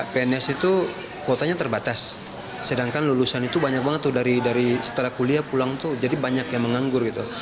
pns itu kuotanya terbatas sedangkan lulusan itu banyak banget tuh dari setelah kuliah pulang tuh jadi banyak yang menganggur gitu